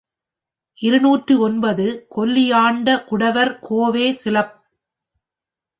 இருநூற்று ஒன்பது, கொல்லியாண்ட குடவர் கோவே சிலப்.